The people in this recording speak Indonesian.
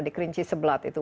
di kerinci seblat itu